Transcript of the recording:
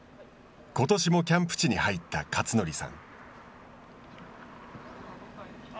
ことしもキャンプ地に入った克則さん。